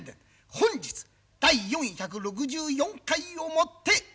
本日第４６４回をもって最終回。